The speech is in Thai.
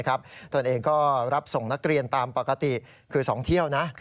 ตนเองก็รับส่งนักเรียนตามปกติคือ๒เที่ยวนะ